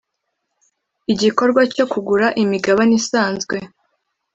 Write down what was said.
Igikorwa cyo kugura imigabane isanzwe